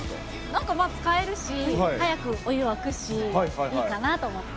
なんかまあ、使えるし、早くお湯沸くし、いいかなと思って。